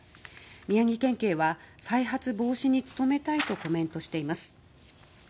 宮城県警は再発防止に努めたいとコメントしています。